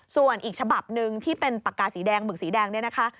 ส่วนอีกฉบับหนึ่งที่เป็นปากกาสีแดงหมึกสีแดงเนี่ยนะคะ